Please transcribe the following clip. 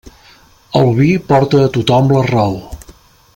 El vi porta a tothom la raó.